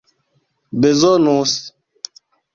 bezonus